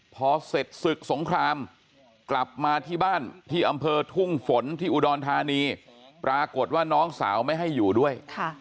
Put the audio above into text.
พอเสร็จศึกสงครามกลับมาที่บ้านที่อำเภอทุ่งฝนที่อุดรธานีปรากฏว่าน้องสาวไม่ให้อยู่ด้วย